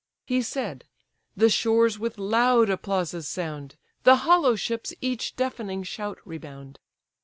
He said: the shores with loud applauses sound, The hollow ships each deafening shout rebound.